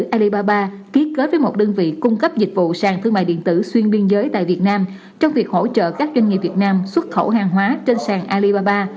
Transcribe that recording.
alibaba ký kết với một đơn vị cung cấp dịch vụ sàn thương mại điện tử xuyên biên giới tại việt nam trong việc hỗ trợ các doanh nghiệp việt nam xuất khẩu hàng hóa trên sàn alibaba